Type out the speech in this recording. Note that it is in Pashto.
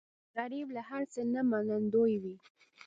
غریب له هر څه نه منندوی وي